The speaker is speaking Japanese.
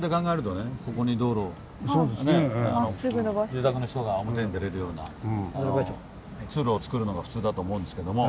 住宅の人が表に出れるような通路をつくるのが普通だと思うんですけども。